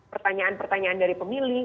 pertanyaan pertanyaan dari pemilih